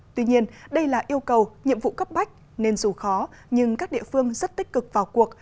tuy nhiên đây là yêu cầu nhiệm vụ cấp bách nên dù khó nhưng các địa phương rất tích cực vào cuộc